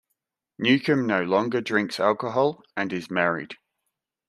Newcombe no longer drinks alcohol, and is married.